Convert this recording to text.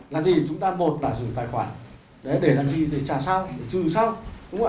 là gì chúng ta một là giữ tài khoản để làm gì để trả sau để trừ sau